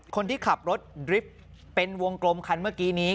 คนที่ขับรถดริฟท์เป็นวงกลมคันเมื่อกี้นี้